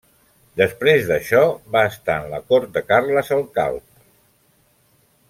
Després d'això, va estar en la cort de Carles el Calb.